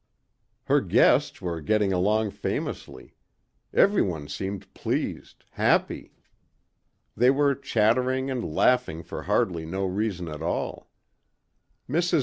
Her guests were getting along famously. Everyone seemed pleased, happy. They were chattering and laughing for hardly no reason at all. Mrs.